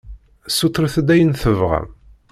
Ssutret-d ayen tebɣam!